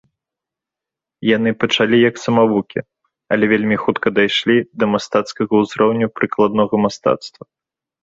Яны пачалі як самавукі, але вельмі хутка дайшлі да мастацкага ўзроўню прыкладнога мастацтва.